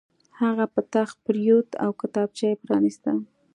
هغه په تخت پرېوت او کتابچه یې پرانیسته